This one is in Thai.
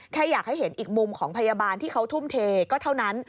แค่อยากให้เห็นอีกมุมของพยาบาลที่เขาทุ่มเทก็เท่านั้น